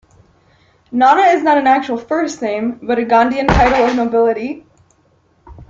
Nana is not an actual first name, but a Ghanaian title of nobility.